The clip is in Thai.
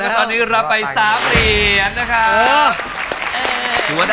คือรับไป๓เหรียญนะครับ